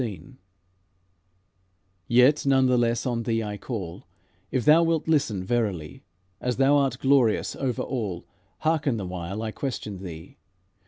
XVI Yet, none the less, on thee I call, If thou wilt listen verily, As thou art glorious over all, Hearken the while I question thee.